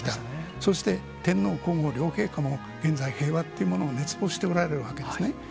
そして天皇皇后両陛下も現在、平和っていうものを熱望しておられるわけですね。